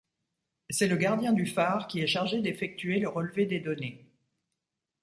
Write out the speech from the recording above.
C'est le gardien du phare qui est chargé d'effectuer le relevé des données.